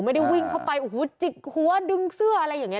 ไม่ได้วิ่งเข้าไปจิกหัวดึงเสื้ออะไรอย่างนี้